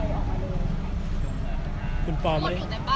ไม่ใช่นี่คือบ้านของคนที่เคยดื่มอยู่หรือเปล่า